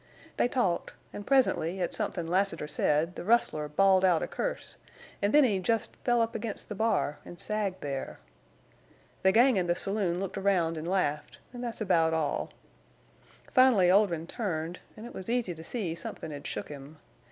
They talked, an' presently at somethin' Lassiter said the rustler bawled out a curse, an' then he jest fell up against the bar, an' sagged there. The gang in the saloon looked around an' laughed, an' thet's about all. Finally Oldrin' turned, and it was easy to see somethin' hed shook him.